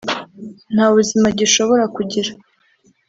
nta buzima gishobora kugira